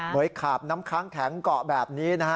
วยขาบน้ำค้างแข็งเกาะแบบนี้นะฮะ